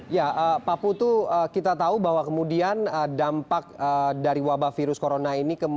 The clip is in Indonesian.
ya pak putu kita tahu bahwa kemudian dampak dari wabah virus corona ini